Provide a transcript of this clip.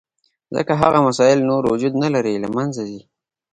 ځکه هغه مسایل نور وجود نه لري، له منځه ځي.